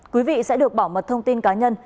quý vị sẽ được bảo mật thông tin cá nhân